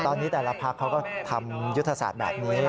ตอนนี้แต่ละพักเขาก็ทำยุทธศาสตร์แบบนี้